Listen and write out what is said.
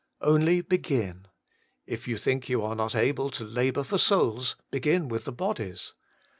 Only begin. If you think you are not able to labour for souls, begin with the bodies.